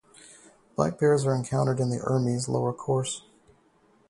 Black bears are encountered in the Urmi's lower course.